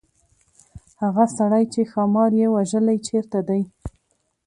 هغه سړی چې ښامار یې وژلی چيرته دی.